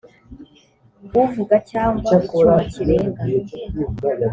uvuga cyangwa icyuma kirenga